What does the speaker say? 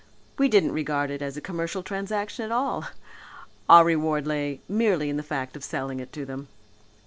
We didn't regard it as a commercial transaction at all. Our reward lay merely in the fact of selling it to them."